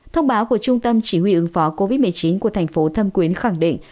thông báo của trung tâm chỉ huy ứng phó covid một mươi chín của thành phố thâm quyến khẳng định